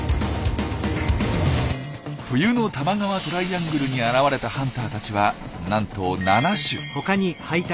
冬の多摩川トライアングルに現れたハンターたちはなんと７種。